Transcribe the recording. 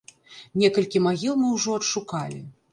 Некалькі магіл мы ўжо адшукалі.